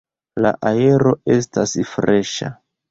La aero estas freŝa.